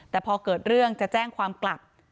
แต่พอเกิดเรื่องจะแจ้งความกลับ